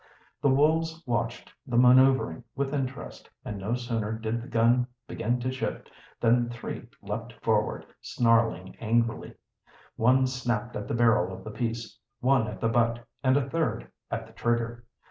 The wolves watched the maneuvering with interest, and no sooner did the gun begin to shift than three leaped forward, snarling angrily. One snapped at the barrel of the piece, one at the butt, and a third at the trigger.